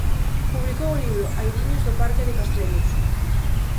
Publicou o libro "Airiños do Parque de Castrelos".